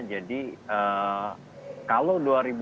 jadi kalau dua ribu empat belas